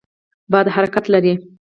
باد حرکت لري.